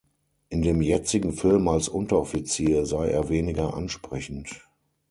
In dem jetzigen Film als Unteroffizier sei er weniger ansprechend.